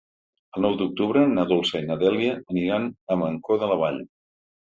El nou d'octubre na Dolça i na Dèlia aniran a Mancor de la Vall.